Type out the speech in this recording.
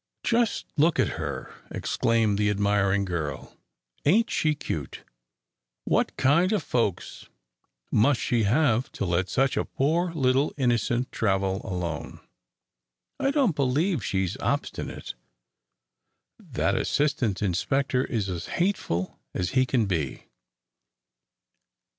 "Just look at her!" exclaimed the admiring girl. "Ain't she cute? What kind of folks must she have to let such a poor little innocent travel alone? I don't believe she's obstinate. That assistant inspector is as hateful as he can be.